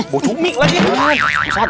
bau cumi lagi ya